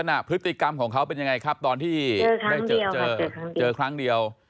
ลักษณะพฤติกรรมของเขาเป็นยังไงครับตอนที่เจอครั้งเดียว